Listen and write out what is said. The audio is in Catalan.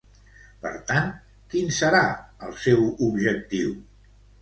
Per tant, quin serà el seu objectiu?